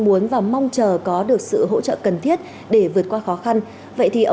hoặc số điện thoại